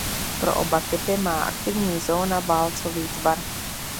Pro oba typy má aktivní zóna válcový tvar.